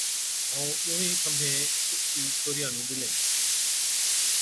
ائُون ڏونهِين کنڀين ٽُڪتِي ڇوهرِيان نُون ڏِلين،